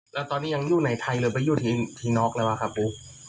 แล้วตอนนี้ยังอยู่ในไทยเลยไปอยู่ที่นอกแล้วครับปุ๊ก